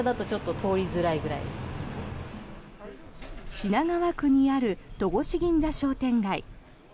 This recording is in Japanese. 品川区にある戸越銀座商店街。